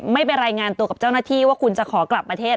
ไม่ไปรายงานตัวกับเจ้าหน้าที่ว่าคุณจะขอกลับประเทศ